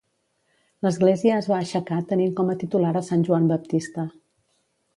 L'església es va aixecar tenint com a titular a Sant Joan Baptista.